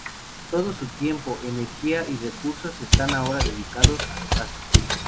Todo su tiempo, energía y recursos están ahora dedicados a su caso.